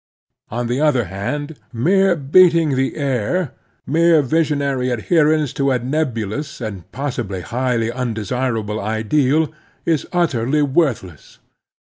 On the other hand, mere beating the air, mere visionary adherence to a nebulous and possibly highly undesirable ideal, is utterly worthless.